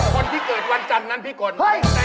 ขนทรายเดี๋ยวดิ